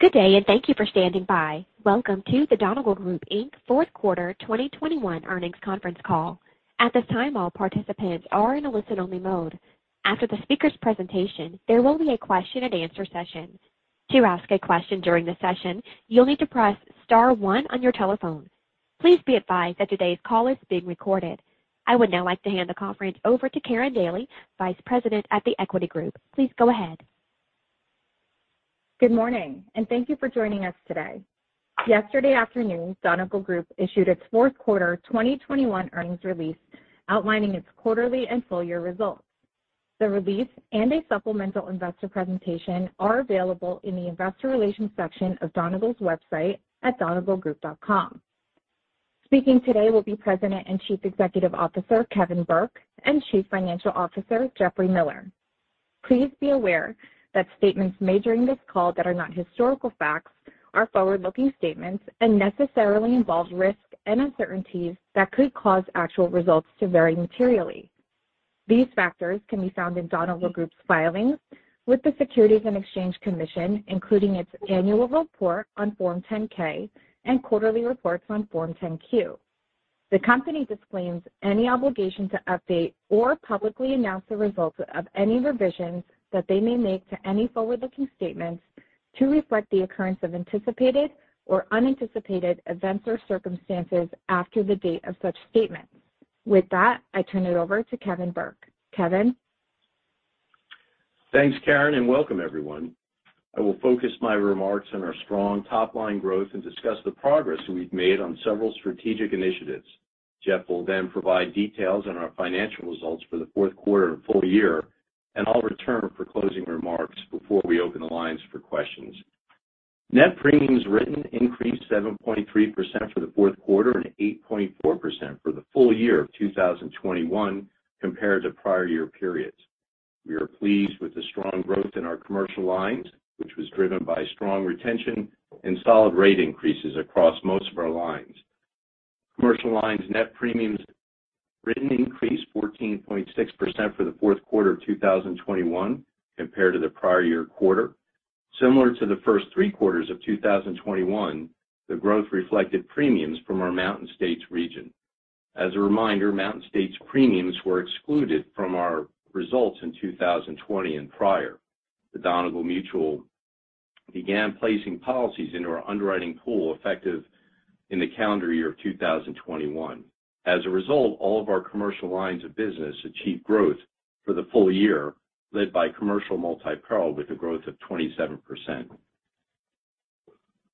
Good day, and thank you for standing by. Welcome to the Donegal Group Inc. fourth quarter 2021 earnings conference call. At this time, all participants are in a listen-only mode. After the speakers' presentation, there will be a question-and-answer session. To ask a question during the session, you'll need to press star one on your telephone. Please be advised that today's call is being recorded. I would now like to hand the conference over to Karin Daly, Vice President at The Equity Group. Please go ahead. Good morning, and thank you for joining us today. Yesterday afternoon, Donegal Group issued its fourth quarter 2021 earnings release outlining its quarterly and full year results. The release and a supplemental investor presentation are available in the investor relations section of Donegal's website at donegalgroup.com. Speaking today will be President and Chief Executive Officer Kevin Burke and Chief Financial Officer Jeffrey Miller. Please be aware that statements made during this call that are not historical facts are forward-looking statements and necessarily involve risks and uncertainties that could cause actual results to vary materially. These factors can be found in Donegal Group's filings with the Securities and Exchange Commission, including its annual report on Form 10-K and quarterly reports on Form 10-Q. The company disclaims any obligation to update or publicly announce the results of any revisions that they may make to any forward-looking statements to reflect the occurrence of anticipated or unanticipated events or circumstances after the date of such statements. With that, I turn it over to Kevin Burke. Kevin? Thanks, Karin, and welcome everyone. I will focus my remarks on our strong top-line growth and discuss the progress we've made on several strategic initiatives. Jeffrey will then provide details on our financial results for the fourth quarter and full year, and I'll return for closing remarks before we open the lines for questions. Net premiums written increased 7.3% for the fourth quarter and 8.4% for the full year of 2021 compared to prior year periods. We are pleased with the strong growth in our commercial lines, which was driven by strong retention and solid rate increases across most of our lines. Commercial lines net premiums written increased 14.6% for the fourth quarter of 2021 compared to the prior year quarter. Similar to the first three quarters of 2021, the growth reflected premiums from our Mountain States region. As a reminder, Mountain States premiums were excluded from our results in 2020 and prior. Donegal Mutual began placing policies into our underwriting pool effective in the calendar year of 2021. As a result, all of our commercial lines of business achieved growth for the full year, led by commercial multi-peril with a growth of 27%.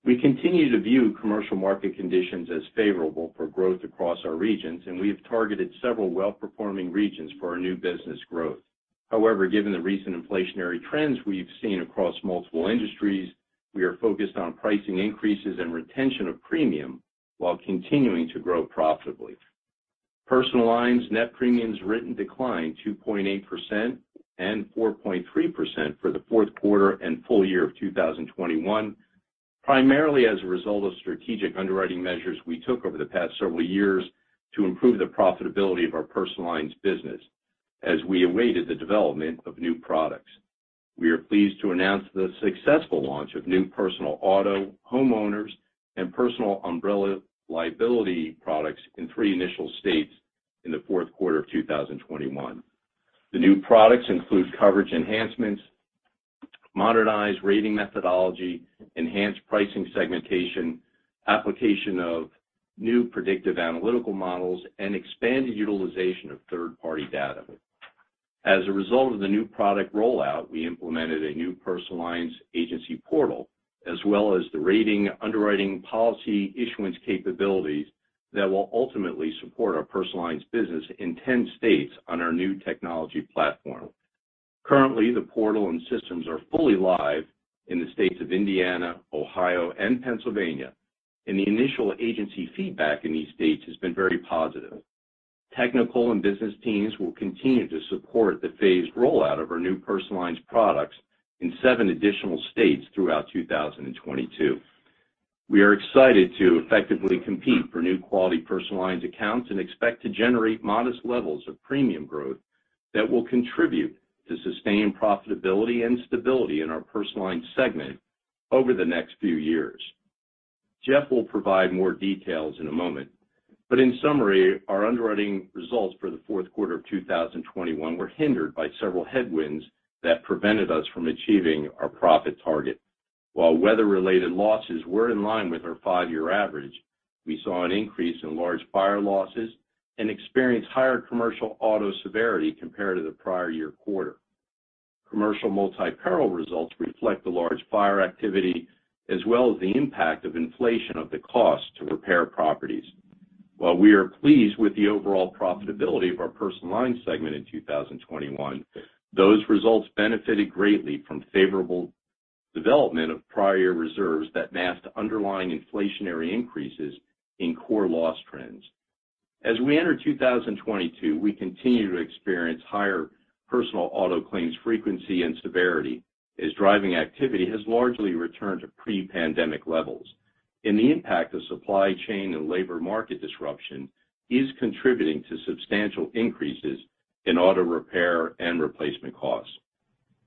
We continue to view commercial market conditions as favorable for growth across our regions, and we have targeted several well-performing regions for our new business growth. However, given the recent inflationary trends we've seen across multiple industries, we are focused on pricing increases and retention of premium while continuing to grow profitably. Personal lines net premiums written declined 2.8% and 4.3% for the fourth quarter and full year of 2021, primarily as a result of strategic underwriting measures we took over the past several years to improve the profitability of our personal lines business as we awaited the development of new products. We are pleased to announce the successful launch of new personal auto, homeowners, and personal umbrella liability products in three initial states in the fourth quarter of 2021. The new products include coverage enhancements, modernized rating methodology, enhanced pricing segmentation, application of new predictive analytical models, and expanded utilization of third-party data. As a result of the new product rollout, we implemented a new personal lines agency portal, as well as the rating, underwriting, policy issuance capabilities that will ultimately support our personal lines business in 10 states on our new technology platform. Currently, the portal and systems are fully live in the states of Indiana, Ohio, and Pennsylvania, and the initial agency feedback in these states has been very positive. Technical and business teams will continue to support the phased rollout of our new personal lines products in seven additional states throughout 2022. We are excited to effectively compete for new quality personal lines accounts and expect to generate modest levels of premium growth that will contribute to sustained profitability and stability in our personal lines segment over the next few years. Jeff will provide more details in a moment. In summary, our underwriting results for the fourth quarter of 2021 were hindered by several headwinds that prevented us from achieving our profit target. While weather-related losses were in line with our five-year average, we saw an increase in large fire losses and experienced higher commercial auto severity compared to the prior year quarter. Commercial multi-peril results reflect the large fire activity as well as the impact of inflation of the cost to repair properties. While we are pleased with the overall profitability of our personal lines segment in 2021, those results benefited greatly from favorable development of prior year reserves that masked underlying inflationary increases in core loss trends. As we enter 2022, we continue to experience higher personal auto claims frequency and severity as driving activity has largely returned to pre-pandemic levels. The impact of supply chain and labor market disruption is contributing to substantial increases in auto repair and replacement costs.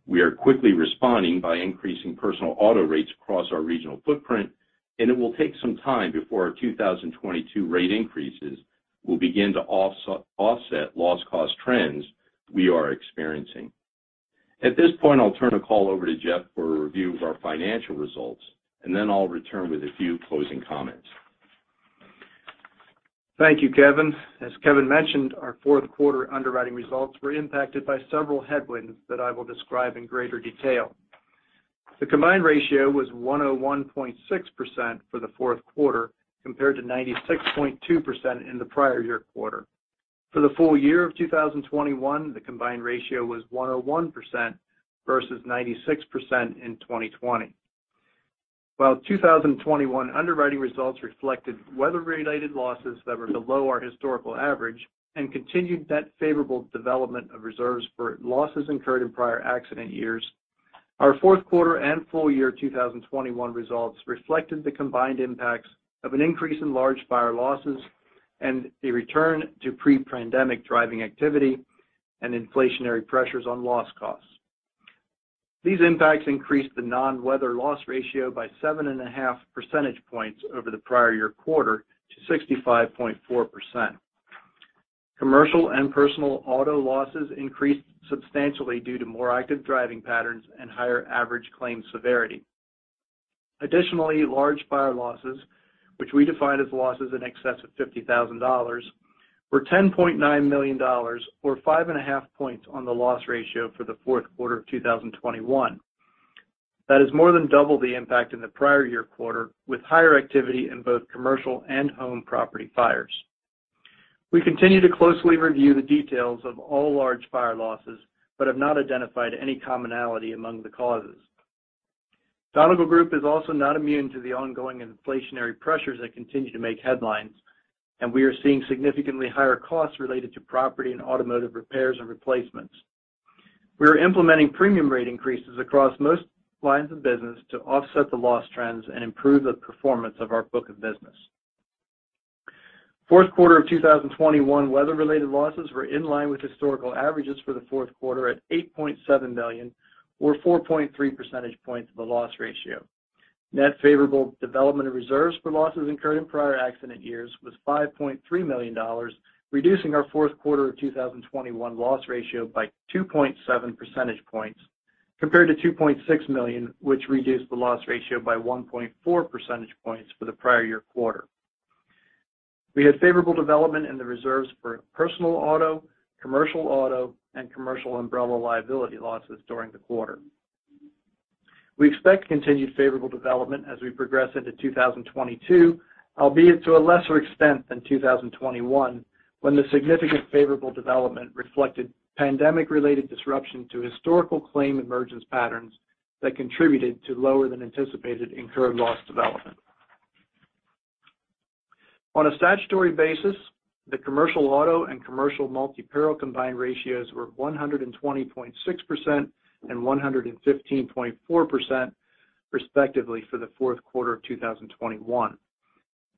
We are quickly responding by increasing personal auto rates across our regional footprint, and it will take some time before our 2022 rate increases will begin to offset loss cost trends we are experiencing. At this point, I'll turn the call over to Jeff for a review of our financial results, and then I'll return with a few closing comments. Thank you, Kevin. As Kevin mentioned, our fourth quarter underwriting results were impacted by several headwinds that I will describe in greater detail. The combined ratio was 101.6% for the fourth quarter, compared to 96.2% in the prior year quarter. For the full year of 2021, the combined ratio was 101% versus 96% in 2020. While 2021 underwriting results reflected weather-related losses that were below our historical average and continued net favorable development of reserves for losses incurred in prior accident years, our fourth quarter and full year 2021 results reflected the combined impacts of an increase in large fire losses and a return to pre-pandemic driving activity and inflationary pressures on loss costs. These impacts increased the non-weather loss ratio by 7.5 percentage points over the prior year quarter to 65.4%. Commercial and personal auto losses increased substantially due to more active driving patterns and higher average claim severity. Additionally, large fire losses, which we define as losses in excess of $50,000, were $10.9 million, or 5.5 points on the loss ratio for the fourth quarter of 2021. That is more than double the impact in the prior year quarter, with higher activity in both commercial and home property fires. We continue to closely review the details of all large fire losses, but have not identified any commonality among the causes. Donegal Group is also not immune to the ongoing inflationary pressures that continue to make headlines, and we are seeing significantly higher costs related to property and automotive repairs and replacements. We are implementing premium rate increases across most lines of business to offset the loss trends and improve the performance of our book of business. Fourth quarter of 2021 weather-related losses were in line with historical averages for the fourth quarter at $8.7 million or 4.3 percentage points of the loss ratio. Net favorable development of reserves for losses incurred in prior accident years was $5.3 million, reducing our fourth quarter of 2021 loss ratio by 2.7 percentage points, compared to $2.6 million, which reduced the loss ratio by 1.4 percentage points for the prior year quarter. We had favorable development in the reserves for personal auto, commercial auto, and commercial umbrella liability losses during the quarter. We expect continued favorable development as we progress into 2022, albeit to a lesser extent than 2021, when the significant favorable development reflected pandemic-related disruption to historical claim emergence patterns that contributed to lower than anticipated incurred loss development. On a statutory basis, the commercial auto and commercial multi-peril combined ratios were 120.6% and 115.4%, respectively, for the fourth quarter of 2021.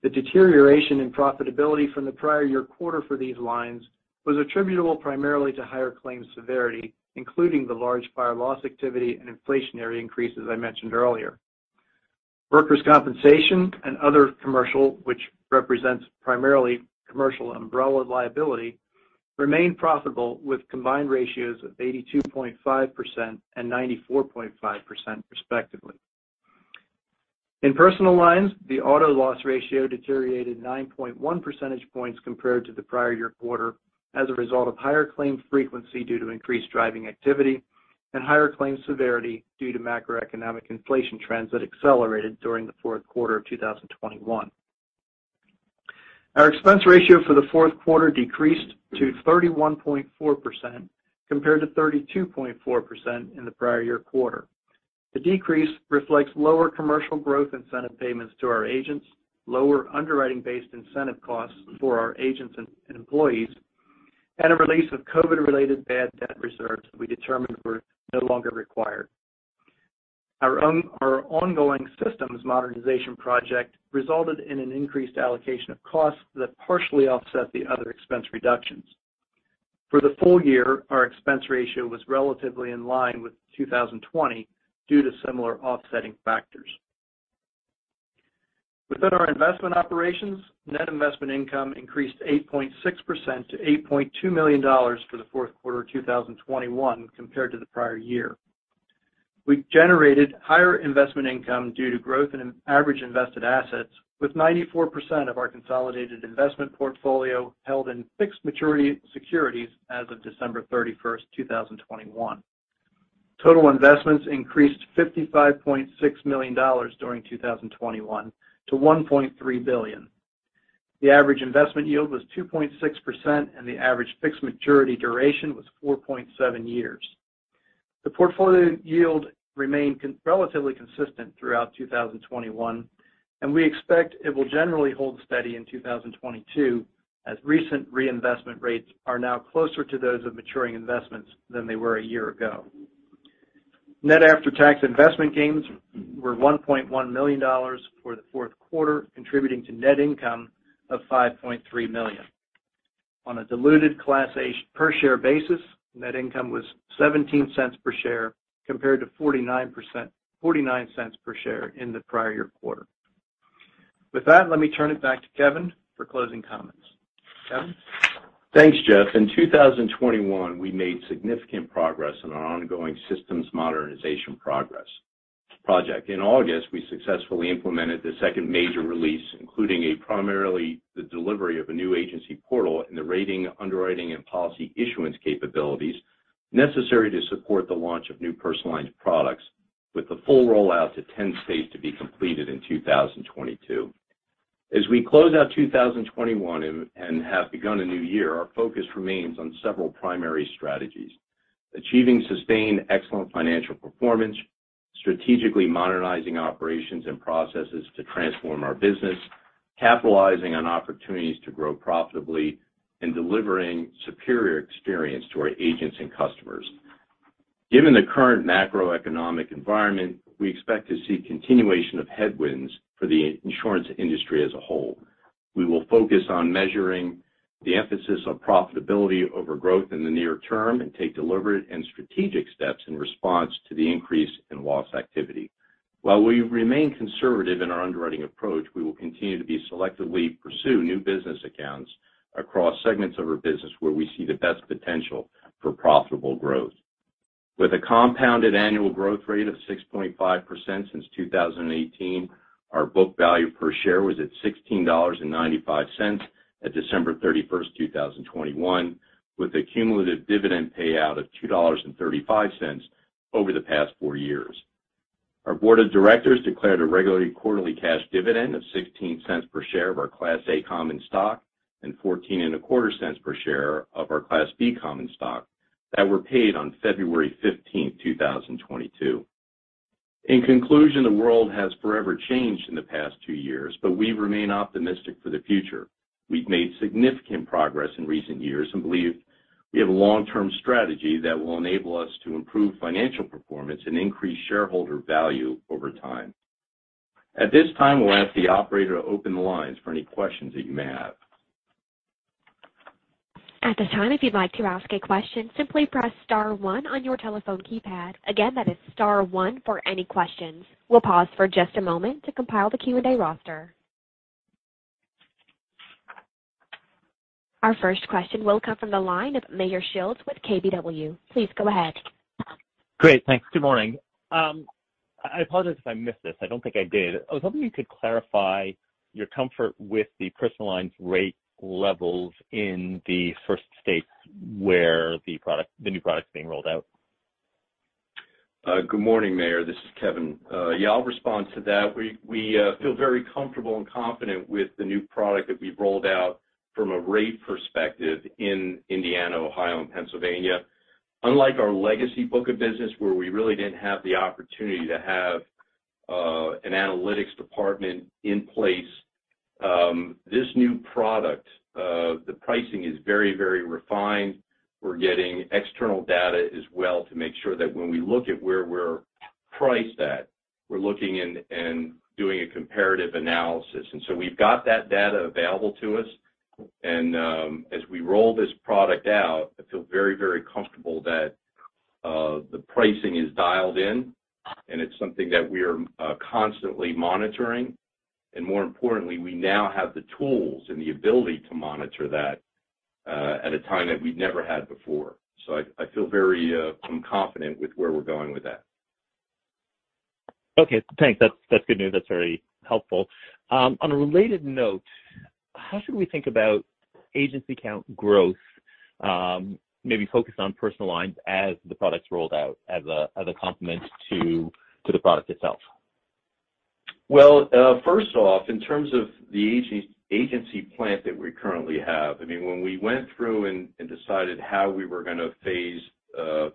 The deterioration in profitability from the prior year quarter for these lines was attributable primarily to higher claims severity, including the large fire loss activity and inflationary increase, as I mentioned earlier. Workers' compensation and other commercial, which represents primarily commercial umbrella liability, remained profitable with combined ratios of 82.5% and 94.5%, respectively. In personal lines, the auto loss ratio deteriorated 9.1 percentage points compared to the prior year quarter as a result of higher claim frequency due to increased driving activity and higher claim severity due to macroeconomic inflation trends that accelerated during the fourth quarter of 2021. Our expense ratio for the fourth quarter decreased to 31.4% compared to 32.4% in the prior year quarter. The decrease reflects lower commercial growth incentive payments to our agents, lower underwriting-based incentive costs for our agents and employees, and a release of COVID-related bad debt reserves we determined were no longer required. Our ongoing systems modernization project resulted in an increased allocation of costs that partially offset the other expense reductions. For the full year, our expense ratio was relatively in line with 2020 due to similar offsetting factors. Within our investment operations, net investment income increased 8.6% to $8.2 million for the fourth quarter of 2021 compared to the prior year. We generated higher investment income due to growth in average invested assets, with 94% of our consolidated investment portfolio held in fixed maturity securities as of December 31, 2021. Total investments increased $55.6 million during 2021 to $1.3 billion. The average investment yield was 2.6%, and the average fixed maturity duration was 4.7 years. The portfolio yield remained relatively consistent throughout 2021, and we expect it will generally hold steady in 2022, as recent reinvestment rates are now closer to those of maturing investments than they were a year ago. Net after-tax investment gains were $1.1 million for the fourth quarter, contributing to net income of $5.3 million. On a diluted Class A per share basis, net income was $0.17 per share, compared to $0.49 per share in the prior year quarter. With that, let me turn it back to Kevin for closing comments. Kevin? Thanks, Jeff. In 2021, we made significant progress in our ongoing systems modernization project. In August, we successfully implemented the second major release, including primarily the delivery of a new agency portal and the rating, underwriting, and policy issuance capabilities necessary to support the launch of new personal lines products. With the full rollout to 10 states to be completed in 2022. As we close out 2021 and have begun a new year, our focus remains on several primary strategies. Achieving sustained excellent financial performance, strategically modernizing operations and processes to transform our business, capitalizing on opportunities to grow profitably, and delivering superior experience to our agents and customers. Given the current macroeconomic environment, we expect to see continuation of headwinds for the insurance industry as a whole. We will focus on measuring the emphasis of profitability over growth in the near term and take deliberate and strategic steps in response to the increase in loss activity. While we remain conservative in our underwriting approach, we will continue to selectively pursue new business accounts across segments of our business where we see the best potential for profitable growth. With a compounded annual growth rate of 6.5% since 2018, our book value per share was at $16.95 at December 31, 2021, with a cumulative dividend payout of $2.35 over the past four years. Our board of directors declared a regular quarterly cash dividend of $0.16 per share of our Class A common stock and $0.1425 per share of our Class B common stock that were paid on February 15, 2022. In conclusion, the world has forever changed in the past two years, but we remain optimistic for the future. We've made significant progress in recent years and believe we have a long-term strategy that will enable us to improve financial performance and increase shareholder value over time. At this time, we'll ask the operator to open the lines for any questions that you may have. At this time, if you'd like to ask a question, simply press star one on your telephone keypad. Again, that is star one for any questions. We'll pause for just a moment to compile the Q&A roster. Our first question will come from the line of Meyer Shields with KBW. Please go ahead. Great. Thanks. Good morning. I apologize if I missed this. I don't think I did. I was hoping you could clarify your comfort with the personal lines rate levels in the first states where the product, the new product's being rolled out? Good morning, Meyer. This is Kevin. Yeah, I'll respond to that. We feel very comfortable and confident with the new product that we've rolled out from a rate perspective in Indiana, Ohio, and Pennsylvania. Unlike our legacy book of business, where we really didn't have the opportunity to have an analytics department in place, this new product, the pricing is very, very refined. We're getting external data as well to make sure that when we look at where we're priced at, we're looking and doing a comparative analysis. We've got that data available to us, and as we roll this product out, I feel very, very comfortable that the pricing is dialed in and it's something that we are constantly monitoring. More importantly, we now have the tools and the ability to monitor that at a time that we've never had before. I feel very confident with where we're going with that. Okay, thanks. That's good news. That's very helpful. On a related note, how should we think about agency count growth, maybe focused on personal lines as the products rolled out as a complement to the product itself? Well, first off, in terms of the agency plant that we currently have, I mean, when we went through and decided how we were gonna phase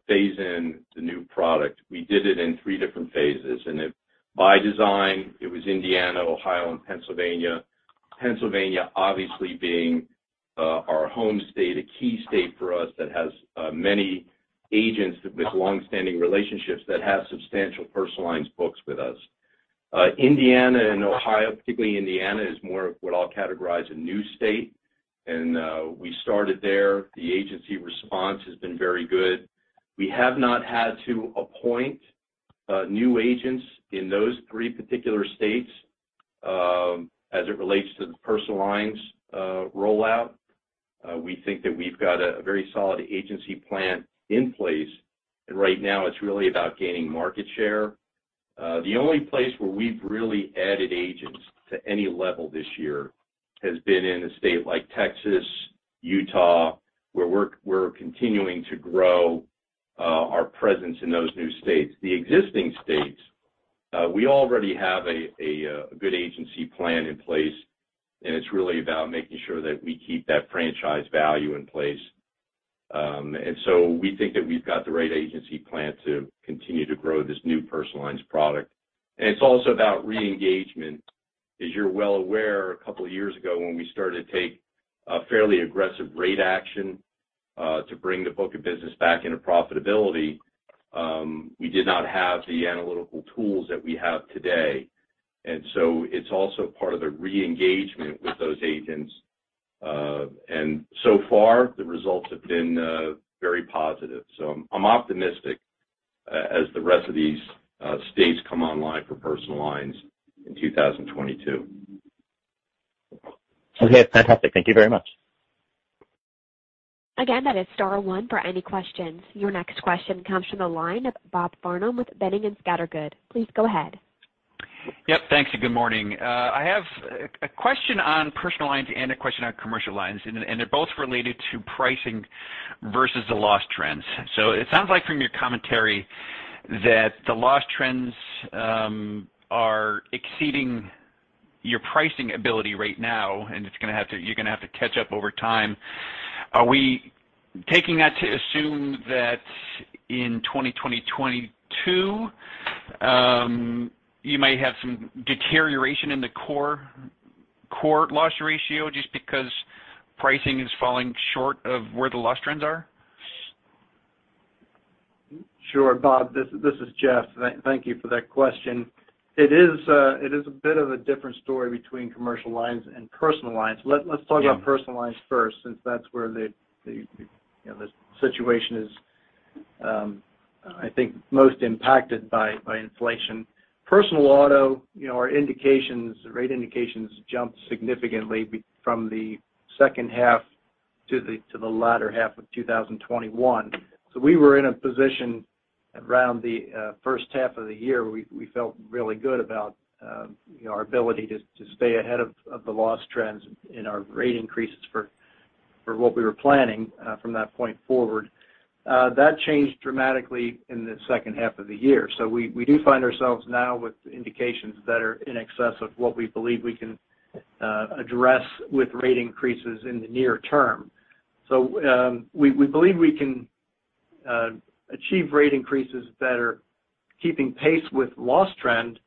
in the new product, we did it in three different phases. It, by design, was Indiana, Ohio, and Pennsylvania. Pennsylvania, obviously being our home state, a key state for us that has many agents with longstanding relationships that have substantial personal lines books with us. Indiana and Ohio, particularly Indiana, is more of what I'll categorize a new state, and we started there. The agency response has been very good. We have not had to appoint new agents in those three particular states, as it relates to the personal lines rollout. We think that we've got a very solid agency plan in place, and right now it's really about gaining market share. The only place where we've really added agents to any level this year has been in a state like Texas, Utah, where we're continuing to grow our presence in those new states. The existing states, we already have a good agency plan in place, and it's really about making sure that we keep that franchise value in place. We think that we've got the right agency plan to continue to grow this new personal lines product. It's also about re-engagement. As you're well aware, a couple of years ago, when we started to take a fairly aggressive rate action, to bring the book of business back into profitability, we did not have the analytical tools that we have today. It's also part of the re-engagement with those agents. So far, the results have been very positive. I'm optimistic as the rest of these states come online for personal lines in 2022. Okay. Fantastic. Thank you very much. Again, that is star one for any questions. Your next question comes from the line of Bob Farnam with Boenning & Scattergood. Please go ahead. Yep. Thanks. Good morning. I have a question on personal lines and a question on commercial lines, and they're both related to pricing versus the loss trends. It sounds like from your commentary that the loss trends are exceeding your pricing ability right now, and you're gonna have to catch up over time. Are we taking that to assume that in 2022, you may have some deterioration in the core loss ratio just because pricing is falling short of where the loss trends are? Sure, Bob, this is Jeff. Thank you for that question. It is a bit of a different story between commercial lines and personal lines. Let's talk about personal lines first since that's where the situation is, you know, I think most impacted by inflation. Personal auto, you know, our indications, rate indications jumped significantly from the second half to the latter half of 2021. We were in a position around the first half of the year. We felt really good about, you know, our ability to stay ahead of the loss trends in our rate increases for what we were planning from that point forward. That changed dramatically in the second half of the year. We do find ourselves now with indications that are in excess of what we believe we can address with rate increases in the near term. We believe we can achieve rate increases that are keeping pace with loss trend,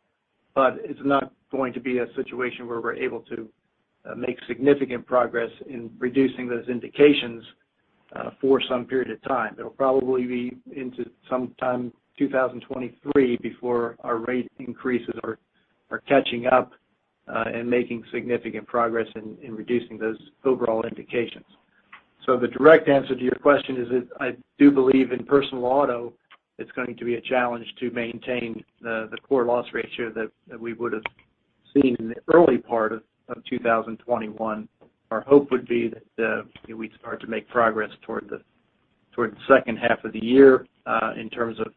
but it's not going to be a situation where we're able to make significant progress in reducing those indications for some period of time. It'll probably be into sometime 2023 before our rate increases are catching up and making significant progress in reducing those overall indications. The direct answer to your question is that I do believe in personal auto, it's going to be a challenge to maintain the core loss ratio that we would've seen in the early part of 2021. Our hope would be that, you know, we'd start to make progress toward the second half of the year, in terms of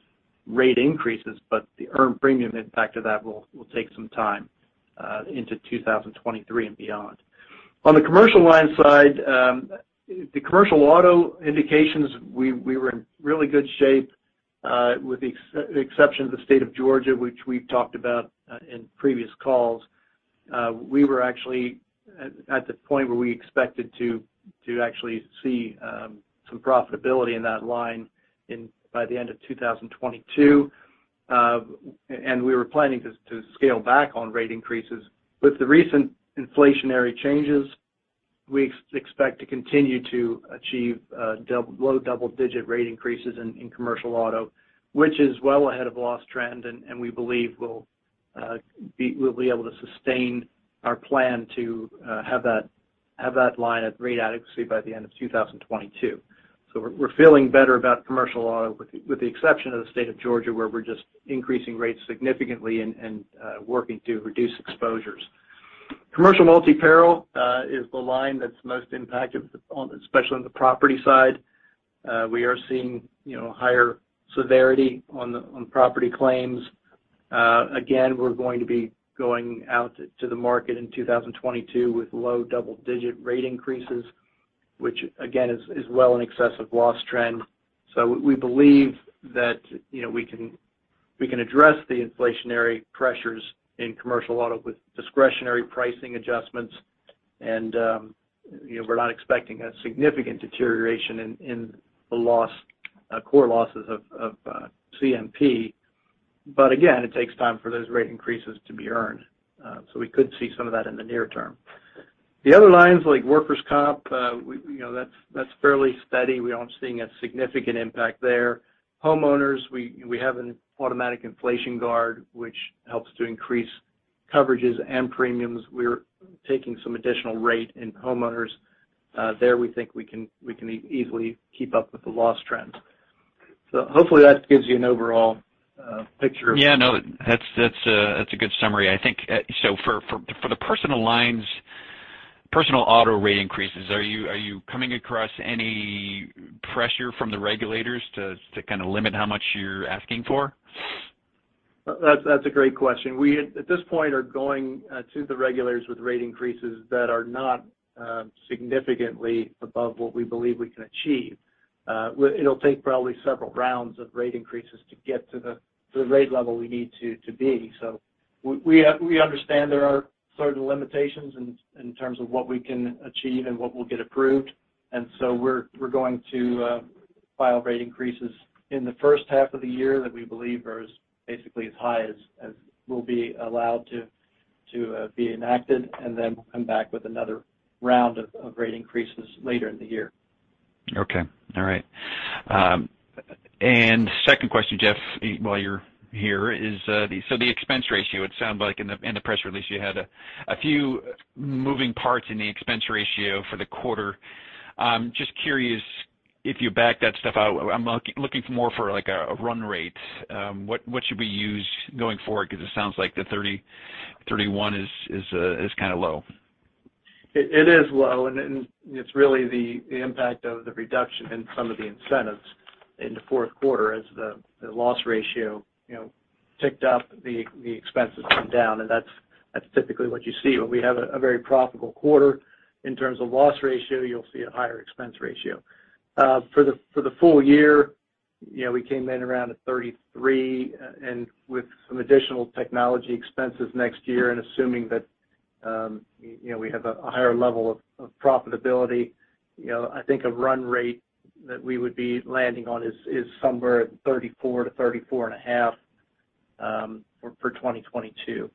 rate increases, but the earned premium impact of that will take some time into 2023 and beyond. On the commercial line side, the commercial auto indications, we were in really good shape, with the exception of the State of Georgia, which we've talked about, in previous calls. We were actually at the point where we expected to actually see some profitability in that line by the end of 2022. We were planning to scale back on rate increases. With the recent inflationary changes, we expect to continue to achieve low double-digit rate increases in commercial auto, which is well ahead of loss trend, and we believe we'll be able to sustain our plan to have that line at rate adequacy by the end of 2022. We're feeling better about commercial auto with the exception of the State of Georgia, where we're just increasing rates significantly and working to reduce exposures. Commercial multi-peril is the line that's most impacted, especially on the property side. We are seeing, you know, higher severity on property claims. Again, we're going to be going out to the market in 2022 with low double-digit rate increases, which again is well in excess of loss trend. We believe that, you know, we can address the inflationary pressures in commercial auto with discretionary pricing adjustments. You know, we're not expecting a significant deterioration in the core losses of CMP. It takes time for those rate increases to be earned. We could see some of that in the near term. The other lines like workers' comp, that's fairly steady. We aren't seeing a significant impact there. Homeowners, we have an automatic inflation guard, which helps to increase coverages and premiums. We're taking some additional rate in homeowners. We think we can easily keep up with the loss trends. Hopefully, that gives you an overall picture of- Yeah, no, that's a good summary. I think, so for the personal lines, personal auto rate increases, are you coming across any pressure from the regulators to kind of limit how much you're asking for? That's a great question. We at this point are going to the regulators with rate increases that are not significantly above what we believe we can achieve. It'll take probably several rounds of rate increases to get to the rate level we need to be. We understand there are certain limitations in terms of what we can achieve and what will get approved. We're going to file rate increases in the first half of the year that we believe are as basically as high as we'll be allowed to be enacted, and then we'll come back with another round of rate increases later in the year. Second question, Jeff, while you're here is the expense ratio. It sounds like in the press release you had a few moving parts in the expense ratio for the quarter. Just curious if you back that stuff out. I'm looking for more like a run rate. What should we use going forward? 'Cause it sounds like the 30%-31% is kind of low. It is low and it's really the impact of the reduction in some of the incentives in the fourth quarter. As the loss ratio, you know, ticked up, the expenses come down, and that's typically what you see. When we have a very profitable quarter in terms of loss ratio, you'll see a higher expense ratio. For the full year, you know, we came in around 33%, and with some additional technology expenses next year and assuming that, you know, we have a higher level of profitability, you know, I think a run rate that we would be landing on is somewhere at 34%-34.5% for 2022.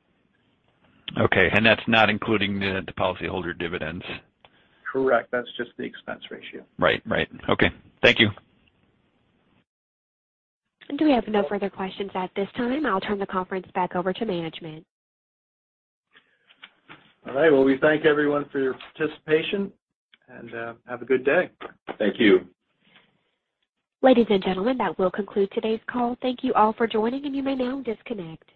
Okay. That's not including the policyholder dividends? Correct. That's just the expense ratio. Right. Okay. Thank you. We have no further questions at this time. I'll turn the conference back over to management. All right. Well, we thank everyone for your participation, and have a good day. Thank you. Ladies and gentlemen, that will conclude today's call. Thank you all for joining, and you may now disconnect.